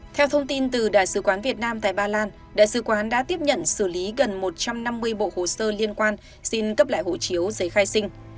theo thông tin từ đại sứ quán việt nam tại ba lan đại sứ quán đã tiếp nhận xử lý gần một trăm năm mươi bộ hồ sơ liên quan xin cấp lại hộ chiếu giấy khai sinh